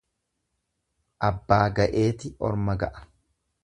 Abbaa ga'eeti orma ga'a.